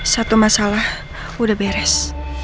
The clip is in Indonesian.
satu masalah udah beres